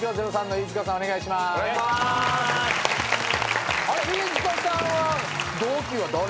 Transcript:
飯塚さんは。